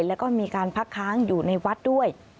แล้วก็มีการพักค้างอยู่ในวัดด้วย